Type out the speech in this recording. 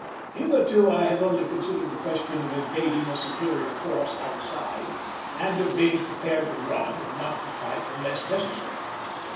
Hitherto I have only considered the question of evading a superior force outside, and of being prepared to run and not to fight unless necessary.